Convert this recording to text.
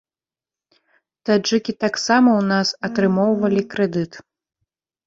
Таджыкі таксама ў нас атрымоўвалі крэдыт.